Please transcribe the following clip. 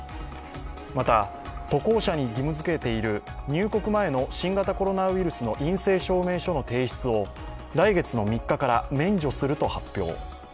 また、渡航者に義務付けている入国前の新型コロナウイルスの陰性証明書の提出を来月の３日から免除すると発表。